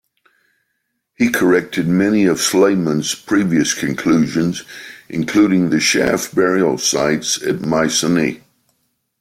He corrected many of Schliemann's previous conclusions, including the shaft burial sites at Mycenae.